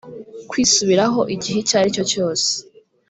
kwisubiraho igihe icyo ari cyo cyose